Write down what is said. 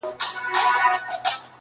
حيران کړل. د مثال په ډول